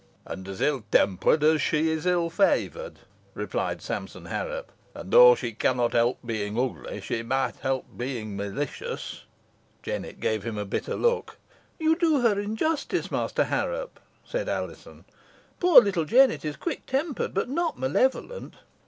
"And as ill tempered as she is ill favoured," rejoined Sampson Harrop; "and, though she cannot help being ugly, she might help being malicious." Jennet gave him a bitter look. "You do her injustice, Master Harrop," said Alizon. "Poor little Jennet is quick tempered, but not malevolent."